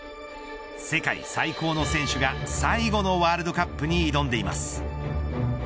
世界最高の選手が最後のワールドカップに挑んでいます。